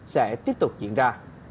sẽ tiếp tục diễn ra